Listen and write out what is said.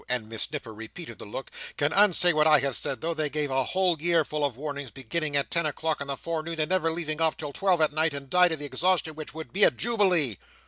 and Miss Nipper repeated the look) "can unsay what I have said, though they gave a whole year full of warnings beginning at ten o'clock in the forenoon and never leaving off till twelve at night and died of the exhaustion which would be a Jubilee!"